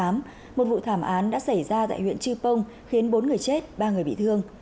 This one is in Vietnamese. một vụ thảm án đã xảy ra tại huyện chư pông khiến bốn người chết ba người bị thương